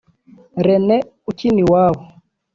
Rene Ukiniwabo